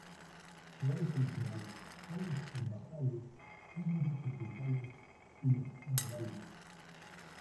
Su hábitat natural son los herbazales húmedos tropicales y los humedales.